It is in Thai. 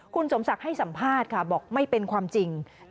คุณสมศักดิ์ให้สัมภาษณ์ค่ะบอกไม่เป็นความจริง